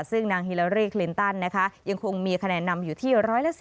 ซึ่งนางฮิลารี่คลินตันนะคะยังคงมีคะแนนนำอยู่ที่๑๑๐